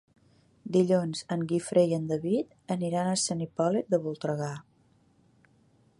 Dilluns en Guifré i en David aniran a Sant Hipòlit de Voltregà.